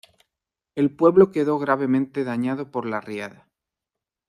El pueblo quedó gravemente dañado por la riada.